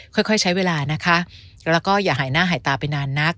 ค่อยใช้เวลานะคะแล้วก็อย่าหายหน้าหายตาไปนานนัก